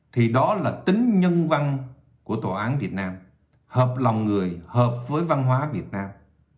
thì đó là tính nhân văn của tòa án việt nam hợp lòng người hợp với văn hóa việt nam